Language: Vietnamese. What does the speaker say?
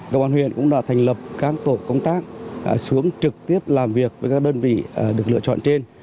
công an huyện cũng đã thành lập các tổ công tác xuống trực tiếp làm việc với các đơn vị được lựa chọn trên